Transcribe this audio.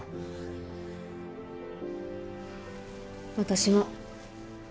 私も。